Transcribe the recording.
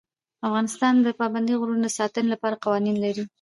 افغانستان د پابندی غرونه د ساتنې لپاره قوانین لري.